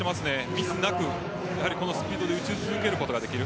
ミスなく、このスピードで打ち続けることができる。